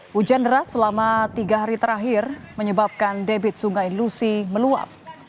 hujan deras selama tiga hari terakhir menyebabkan debit sungai lusi meluap